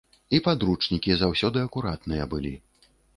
І падручнікі заўсёды акуратныя былі.